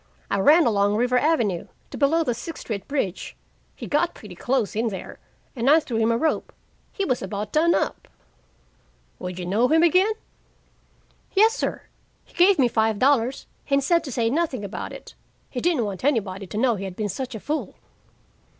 I ran along River Avenue to below the Sixth Street bridge. He got pretty close in there and I threw him a rope. He was about done up." "Would you know him again?" "Yes, sir. He gave me five dollars, and said to say nothing about it. He didn't want anybody to know he had been such a fool."